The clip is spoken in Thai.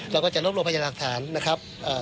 แล้วก็จะรบรวมพยานักฐานนะครับ